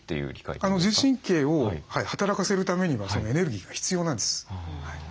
自律神経を働かせるためにはそのエネルギーが必要なんです。